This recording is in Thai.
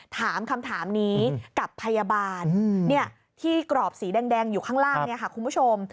ถามคำถามนี้กับพยาบาลที่กรอบสีแดงอยู่ข้างล่างเนี่ยค่ะคุณผู้ชม